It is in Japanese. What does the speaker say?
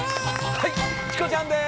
はいチコちゃんです！